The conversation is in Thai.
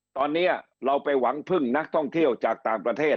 ตอนนี้เราไปหวังพึ่งนักท่องเที่ยวจากต่างประเทศ